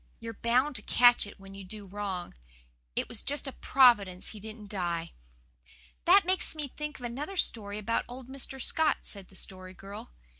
"You're bound to catch it when you do wrong. It was just a Providence he didn't die." "That makes me think of another story about old Mr. Scott," said the Story Girl.